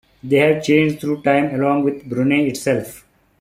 They have changed through time along with Brunei itself.